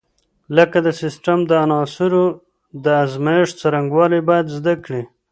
لکه د سیسټم د عناصرو د ازمېښت څرنګوالي باید زده کړي.